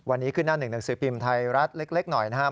วันนี้ขึ้นหน้าหนึ่งหนังสือพิมพ์ไทยรัฐเล็กหน่อยนะครับ